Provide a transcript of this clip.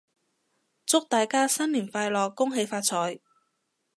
祝大家新年快樂！恭喜發財！